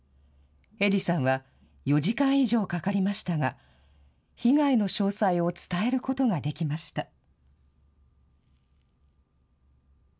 えりさんは４時間以上かかりましたが、被害の詳細を伝えることができました。